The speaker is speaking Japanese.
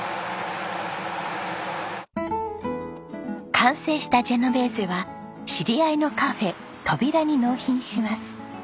完成したジェノベーゼは知り合いのカフェｔｏｂｉｒａに納品します。